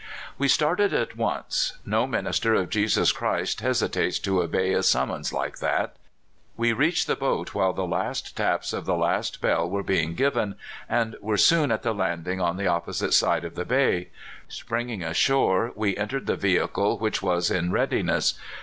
We started at once: no minister of Jesus Christ hesitates to obey a summons Hke that. We reached the boat while the last taps of the last bell w^ere being given, and were soon at the landing on the opposite side of the bay. Springing ashore, w^e en tered the vehicle which was in readiness.